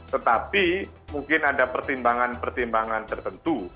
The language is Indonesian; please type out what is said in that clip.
tetapi mungkin ada pertimbangan pertimbangan tertentu